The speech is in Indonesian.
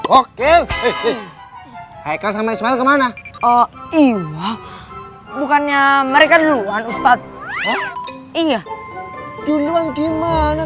oke oke kemana oh iya bukannya mereka duluan ustadz iya duluan gimana